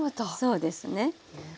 そうですね。